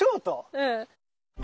うん。